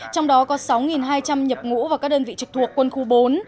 trong đó có sáu hai trăm linh nhập ngũ vào các đơn vị trực thuộc quân khu bốn